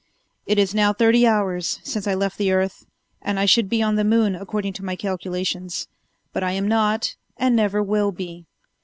It is now thirty hours since I left the earth and I should be on the moon, according to my calculations. But I am not, and never will be.